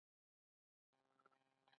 دشبرغان -مزار دګازو دلیږد پروژه.